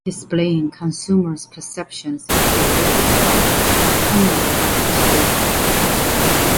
Displaying consumers' perceptions of related products is only half the story.